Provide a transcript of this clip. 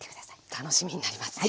楽しみになりますね。